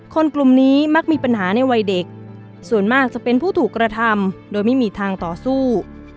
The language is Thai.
กลุ่มนี้มักมีปัญหาในวัยเด็กส่วนมากจะเป็นผู้ถูกกระทำโดยไม่มีทางต่อสู้